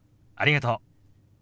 ありがとう。